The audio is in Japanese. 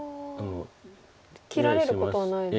切られることはないですか。